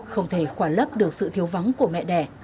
không thể khỏa lấp được sự thiếu vắng của mẹ đẻ